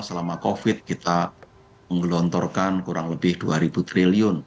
selama covid kita menggelontorkan kurang lebih dua ribu triliun